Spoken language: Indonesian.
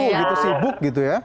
oh buru buru gitu sibuk gitu ya